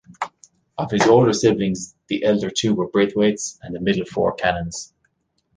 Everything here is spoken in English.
Of his older siblings, the elder two were Braithwaites and the middle four Cannons.